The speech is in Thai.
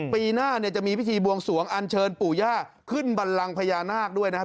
ปีหน้าเนี่ยจะมีพิธีบวงสวงอันเชิญปู่ย่าขึ้นบันลังพญานาคด้วยนะครับ